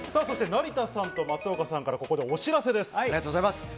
成田さんと松岡さんから、ここでお知らせです。